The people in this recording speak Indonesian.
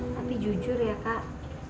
tapi jujur ya kak